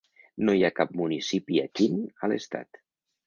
No hi ha cap municipi Akin a l'estat.